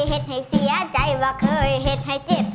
เหตุให้เสียใจว่าเคยเห็นให้เจ็บ